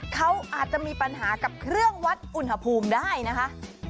เขาอาจจะมีปัญหากับเครื่องวัดอุณหภูมิได้นะคะ